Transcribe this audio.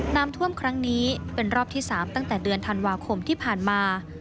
น้ำท่วมครั้งนี้เป็นรอบที่๓ตั้งแต่เดือนธันวาคมที่ผ่านมา